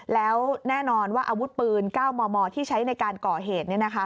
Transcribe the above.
แล้วแน่นอนว่าอาวุธปืน๙มมที่ใช้ในการก่อเหตุ